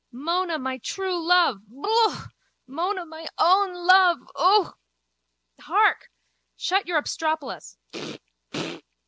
Mona, my true love. Yook. Mona, my own love. Ook. Hark! Shut your obstropolos.